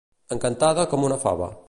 Encantada com una fava.